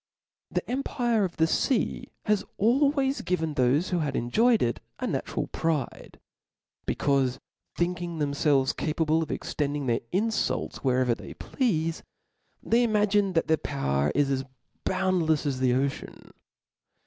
The empire of the fea has always given thofe who h^ve enjoyed it a natural pride; becaufe think ing themfelves capable of extending their infults wherever they pleafe, they imagme that their power is as boundlefs as the ocean.